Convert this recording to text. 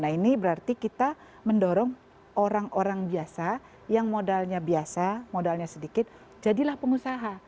nah ini berarti kita mendorong orang orang biasa yang modalnya biasa modalnya sedikit jadilah pengusaha